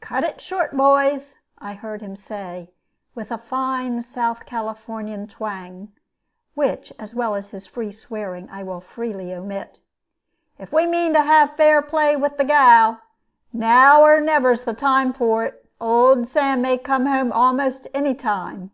"Cut it short, boys," I heard him say, with a fine South Californian twang (which, as well as his free swearing, I will freely omit). "If we mean to have fair play with the gal, now or never's the time for it: old Sam may come home almost any time."